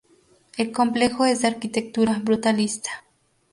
El complejo es de arquitectura brutalista.